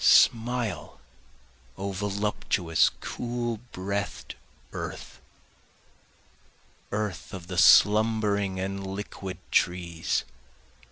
Smile O voluptuous cool breath'd earth! Earth of the slumbering and liquid trees!